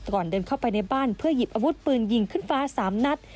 ก่อนเดินเข้าไปในบ้านเพื่อหยิบอาวุธปืนยิงขึ้นฟ้า๓นัด